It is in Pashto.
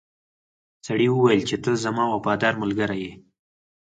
سړي وویل چې ته زما وفادار ملګری یې.